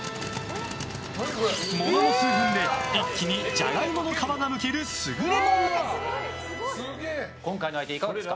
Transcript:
ものの数分で一気にジャガイモの皮がむける優れもの。